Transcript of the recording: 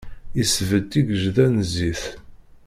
Isbedd tigejda n zzit.